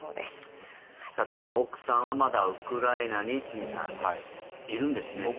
堤さん、奥さんはまだウクライナにいるんですね。